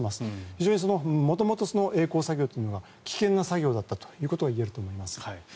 非常に元々えい航作業というのは危険な作業だったということがいえると思います。